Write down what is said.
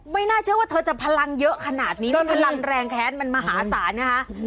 น่าเชื่อว่าเธอจะพลังเยอะขนาดนี้เพราะพลังแรงแค้นมันมหาศาลนะคะ